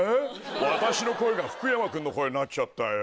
私の声が福山君の声になっちゃったよ。